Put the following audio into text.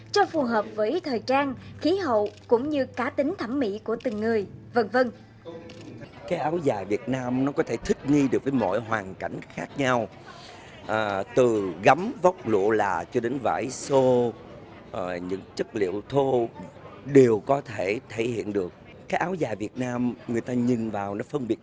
cho phù hợp với thời trang khí hậu cũng như cá tính thẩm mỹ của từng người v v